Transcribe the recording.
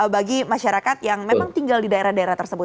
bagi masyarakat yang memang tinggal di daerah daerah tersebut